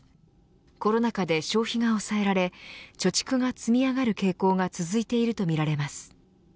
コロナ禍で消費が抑えられ貯蓄が積み上がる傾向が続いているとみられます。